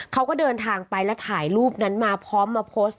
เขาก็เดินทางไปแล้วถ่ายรูปนั้นมาพร้อมมาโพสต์